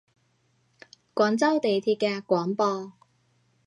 廣州地鐵嘅廣播